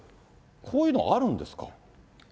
こういうのあるんですか。